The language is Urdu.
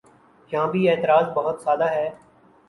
یہاں بھی اعتراض بہت سادہ ہے۔